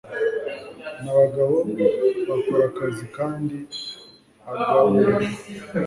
na bagabo bakora akazi kandi agaburirwa